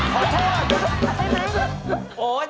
ใช่ไหม